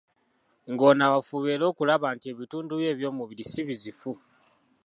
Ng'onaaba, fuba era okulaba nti ebitundu byo eby'omubiri si bizifu.